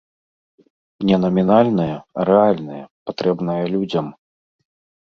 Не намінальная, а рэальная, патрэбная людзям.